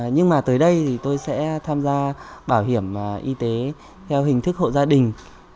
nhưng mà tới đây thì tôi sẽ tham gia bảo hiểm y tế theo hình thức hộ gia đình